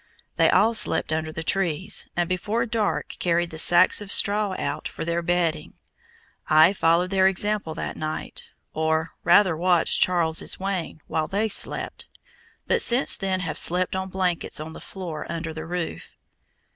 They all slept under the trees, and before dark carried the sacks of straw out for their bedding. I followed their example that night, or rather watched Charles's Wain while they slept, but since then have slept on blankets on the floor under the roof.